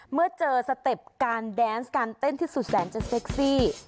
เมื่อเจอสเต็ปการแดนส์การเต้นที่สุดแสนจะเซ็กซี่